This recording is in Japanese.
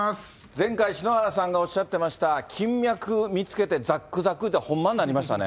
前回、篠原さんのおっしゃってました、金脈見つけてざっくざく言うたら、ほんまになりましたね。